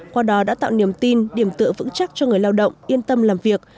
qua đó đã tạo niềm tin điểm tựa vững chắc cho người lao động yên tâm làm việc